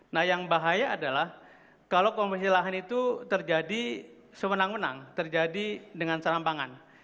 nah yang bahaya adalah kalau konversi lahan itu terjadi semenang menang terjadi dengan serampangan